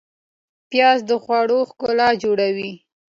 پیاز د خوړو ښکلا جوړوي